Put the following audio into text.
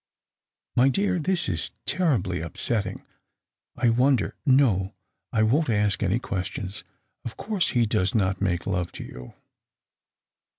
"My dear, this is terribly upsetting. I wonder— no, I won't ask any questions. Of course, he does not make love to you."